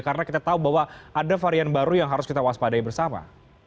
karena kita tahu bahwa ada varian baru yang harus kita waspadai bersama